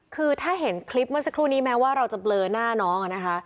คือถ้าเห็นคลิปเมื่อสักครู่นี้แม้ว่าเราจะเบลอหน้าน้องอะนะคะ